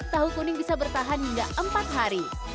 tahu kuning bisa bertahan hingga empat hari